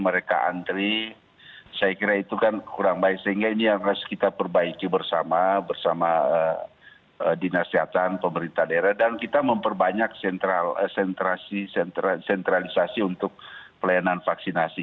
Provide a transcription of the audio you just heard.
mereka antri saya kira itu kan kurang baik sehingga ini yang harus kita perbaiki bersama bersama dinas kesehatan pemerintah daerah dan kita memperbanyak sentralisasi untuk pelayanan vaksinasi